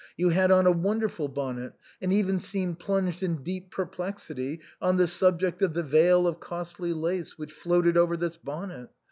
You had on a wonderful bonnet, and even seemed plunged in deep per plexity on the subject of the veil of costly lace which floated over this bonnet.